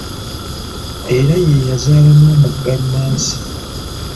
Era ye yazaala n'omugga Lumansi.